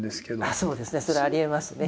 そうですねそれはありえますね。